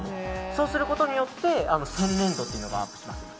そうすることによって洗練度がアップします。